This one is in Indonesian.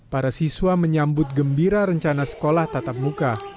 para siswa menyambut gembira rencana sekolah tatap muka